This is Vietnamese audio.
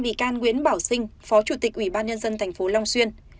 bị can nguyễn bảo sinh phó chủ tịch ủy ban nhân dân thành phố long xuyên